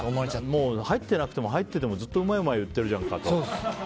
もう入ってなくても入っててもずっとうまいうまい言ってるじゃないかと。